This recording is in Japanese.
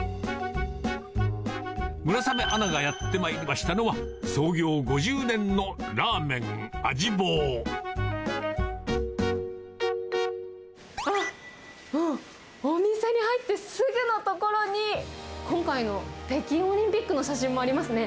村雨アナがやって参りましたのは、うわっ、お店に入ってすぐの所に、今回の北京オリンピックの写真もありますね。